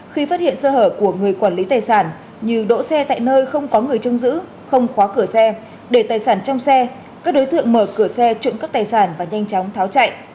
khi phát hiện sơ hở của người quản lý tài sản như đỗ xe tại nơi không có người trông giữ không khóa cửa xe để tài sản trong xe các đối tượng mở cửa xe trụng cấp tài sản và nhanh chóng tháo chạy